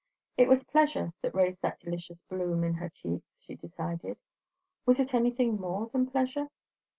It was pleasure that raised that delicious bloom in her cheeks, she decided; was it anything more than pleasure?